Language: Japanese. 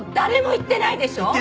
言ってないでしょ。